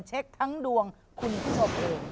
เช็คทั้งดวงคุณผู้ชมเอง